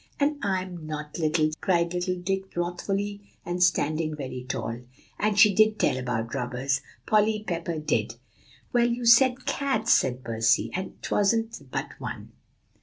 "And I'm not little," cried little Dick wrathfully, and standing very tall. "And she did tell about robbers Polly Pepper did." "Well, you said cats," said Percy; "and 'twasn't but one."